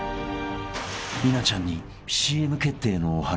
［稲ちゃんにＣＭ決定のお話が］